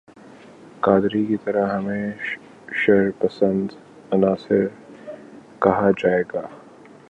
قادری کی طرح ہمیں شرپسند عناصر کہا جائے گا